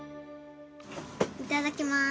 いただきます。